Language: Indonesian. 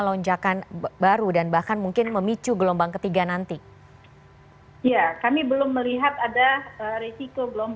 lonjakan baru dan bahkan mungkin memicu gelombang ketiga nanti ya kami belum melihat ada risiko gelombang